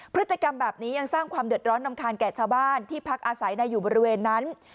พฤติกรรมแบบนี้ยังสร้างความเดือดร้อนรำคาญแก่ชาวบ้านที่พักอาศัยในอยู่บริเวณนั้น